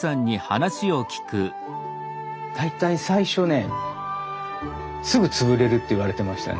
大体最初ね「すぐ潰れる」って言われてましたね。